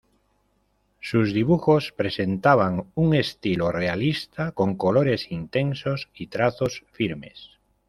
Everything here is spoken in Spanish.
Sus dibujos presentaban un estilo realista con colores intensos y trazos firmes.